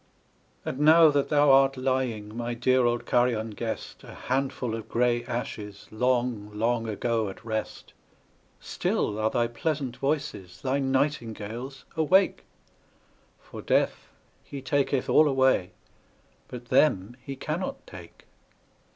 And now that thou art lying, my dear old Carian guest, A handful of grey ashes, long, long ago at rest, Still are thy pleasant voices, thy nightingales, awake ; For Death, he taketh all away, but them he cannot take.